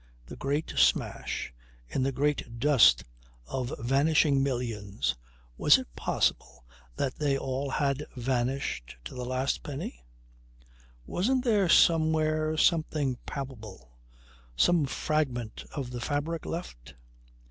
The great smash, in the great dust of vanishing millions! Was it possible that they all had vanished to the last penny? Wasn't there, somewhere, something palpable; some fragment of the fabric left?